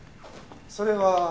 それは。